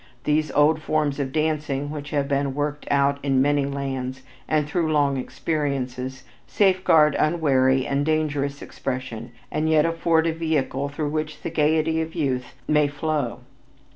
These old forms of dancing which have been worked out in many lands and through long experiences, safeguard unwary and dangerous expression and yet afford a vehicle through which the gaiety of youth may flow.